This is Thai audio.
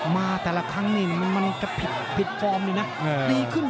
มาแต่ละครั้งเนี่ยมันจะผิดความดีนะ